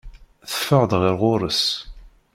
Teffeɣ-d ɣer ɣur-s.